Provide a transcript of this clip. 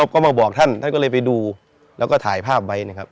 ก็มาบอกท่านท่านก็เลยไปดูแล้วก็ถ่ายภาพไว้นะครับ